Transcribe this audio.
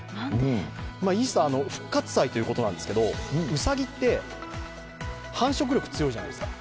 イースター、復活祭ということなんですけど、うさぎって繁殖力、強いじゃないですか。